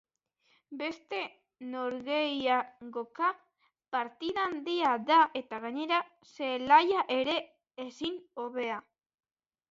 Beste norgehiagoka partida handia da eta gainera zelaia ere ezin hobea.